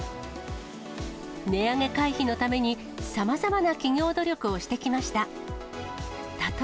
値上げ回避のために、さまざまな企業努力をしてきました。